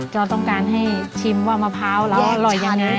ก็ต้องการให้ชิมว่ามะพร้าวเราอร่อยยังไง